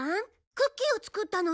クッキーを作ったの。